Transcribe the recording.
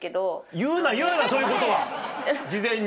言うな言うなそういうことは事前に。